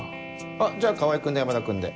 あっじゃあ川合君と山田君で。